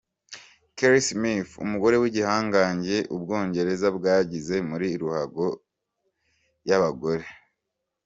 Kelly Simith umugore w’igihanganye u Bwongereza bwagize muri ruhago y’abagore.